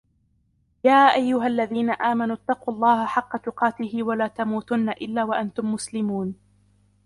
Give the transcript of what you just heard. يَا أَيُّهَا الَّذِينَ آمَنُوا اتَّقُوا اللَّهَ حَقَّ تُقَاتِهِ وَلَا تَمُوتُنَّ إِلَّا وَأَنْتُمْ مُسْلِمُونَ